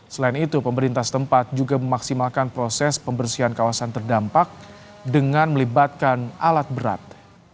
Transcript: selain itu pemerintah setempat juga memaksimalkan proses pembersihan kawasan terdampak dengan melibatkan alat berat